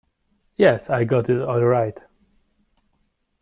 Yes, I got it all right.